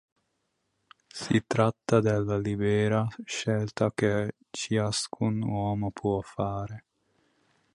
Si tratta della libera scelta che ciascun uomo può fare.